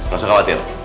gak usah khawatir